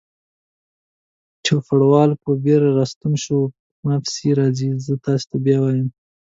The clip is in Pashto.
چوپړوال په بیړه راستون شو: په ما پسې راځئ، زه تاسې بیایم.